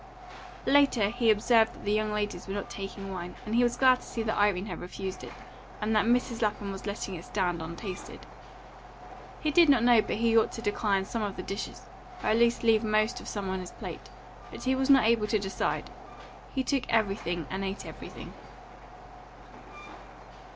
Later, he observed that the young ladies were not taking wine, and he was glad to see that Irene had refused it, and that Mrs. Lapham was letting it stand untasted. He did not know but he ought to decline some of the dishes, or at least leave most of some on his plate, but he was not able to decide; he took everything and ate everything.